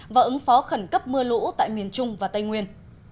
và ứng phó khẩn cấp mưa lũ tại miền trung và tây nguyên